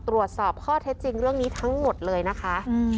ตรวจสอบข้อเท็จจริงเรื่องนี้ทั้งหมดเลยนะคะ